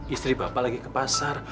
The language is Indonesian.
istri bapak lagi ke pasar